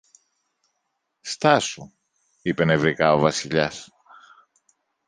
Στάσου, είπε νευρικά ο Βασιλιάς